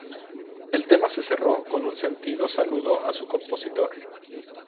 El tema se cerró con un sentido saludo a su compositor.